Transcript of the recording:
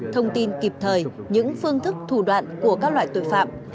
thông tin kịp thời những phương thức thủ đoạn của các loại tội phạm